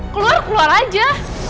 keluar keluar aja